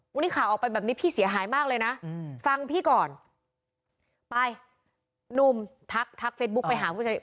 วันนี้ข่าวออกไปแบบนี้พี่เสียหายมากเลยนะฟังพี่ก่อนไปหนุ่มทักทักเฟซบุ๊กไปหาผู้ชาย